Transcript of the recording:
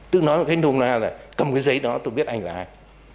tức nói là cầm cái giấy đó tôi biết anh là ai